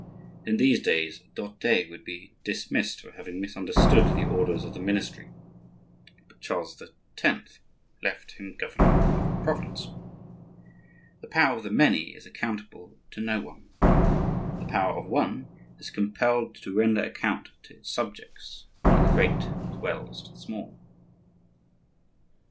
In these days d'Orthez would be dismissed for having misunderstood the orders of the ministry, but Charles X. left him governor of a province. The power of the many is accountable to no one; the power of one is compelled to render account to its subjects, to the great as well as to the small.